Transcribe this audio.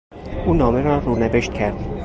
او نامه را رونوشت کرد.